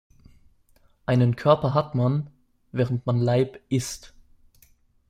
Einen Körper "hat" man, während man Leib "ist".